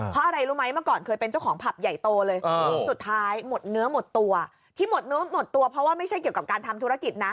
เพราะอะไรรู้ไหมเมื่อก่อนเคยเป็นเจ้าของผับใหญ่โตเลยสุดท้ายหมดเนื้อหมดตัวที่หมดเนื้อหมดตัวเพราะว่าไม่ใช่เกี่ยวกับการทำธุรกิจนะ